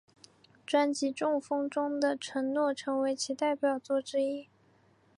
专辑中风中的承诺成为其代表作之一。